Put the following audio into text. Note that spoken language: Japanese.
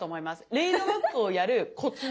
レイドバックをやるコツね。